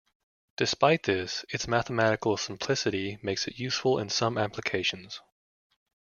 Despite this, its mathematical simplicity makes it useful in some applications.